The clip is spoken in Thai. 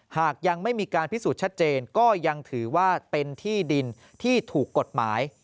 หากยังไม่มีการพิสูจน์ชัดเจนก็ยังถือว่าเป็นที่ดินที่ถูกกฎหมาย